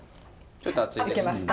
ちょっと熱いですよ。